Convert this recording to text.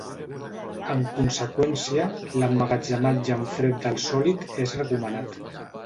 En conseqüència, l'emmagatzematge en fred del sòlid és recomanat.